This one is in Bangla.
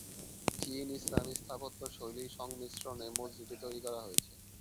চীন-ইসলামী স্থাপত্য শৈলীর সংমিশ্রণে মসজিদটি তৈরি করা হয়েছে।